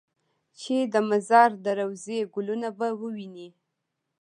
چې د مزار د روضې ګلونه به ووینې.